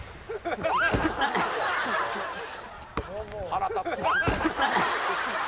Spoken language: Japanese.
「腹立つわ」